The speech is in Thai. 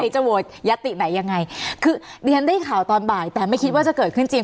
จะโหวตยัตติไหนยังไงคือดิฉันได้ข่าวตอนบ่ายแต่ไม่คิดว่าจะเกิดขึ้นจริง